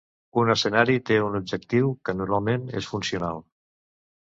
Un escenari te un objectiu, que normalment és funcional.